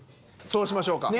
そうしましょうか。